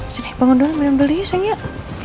sini bangun dulu minum dulu ya sayang